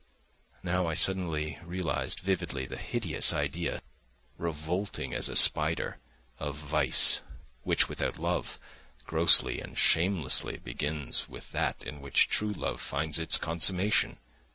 Now I suddenly realised vividly the hideous idea—revolting as a spider—of vice, which, without love, grossly and shamelessly begins with that in which true love finds its consummation.